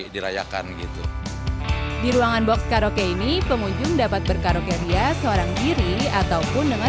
dirayakan gitu di ruangan box karaoke ini itu dapat berkoreografi industri ataupun dengan